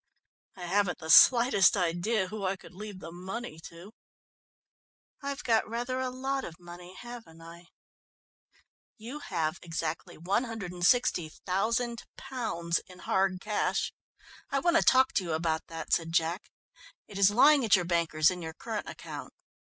I haven't the slightest idea who I could leave the money to. I've got rather a lot of money, haven't I?" "You have exactly £160,000 in hard cash. I want to talk to you about that," said Jack. "It is lying at your bankers in your current account.